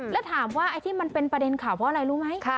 แล้วถามว่าไอ้ที่มันเป็นประเด็นข่าวเพราะอะไรรู้ไหม